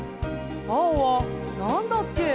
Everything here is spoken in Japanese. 青はなんだっけ？」